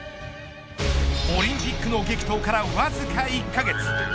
オリンピックの激闘からわずか１カ月。